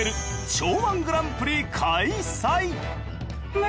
腸−１グランプリ開催！